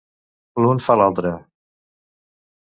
L'un fa l'altre.